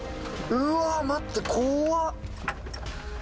うわ待って怖っ。